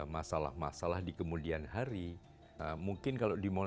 masalah masalah di kemudian hari mungkin kalau